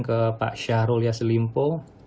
ke pak syahrol yasselimpo